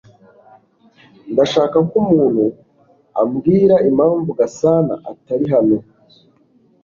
Ndashaka ko umuntu ambwira impamvu Gasana atari hano